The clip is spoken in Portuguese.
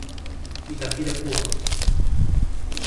Itapirapuã